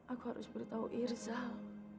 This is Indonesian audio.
aku harus beritahu irsal